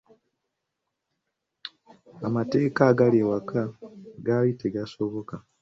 Amateeka agaali awaka gaali tegasoboka.